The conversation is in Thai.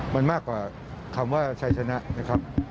มันมากกว่าคำว่าชัยชนะนะครับ